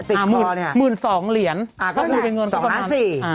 ติดคอเนี้ยมืน๒เหรียญอ่าก็คือเป็นเงินเกือบประมาณ๒๔นาที